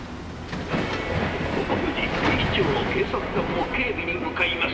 午後４時、警視庁の警察官も警備に向かいます。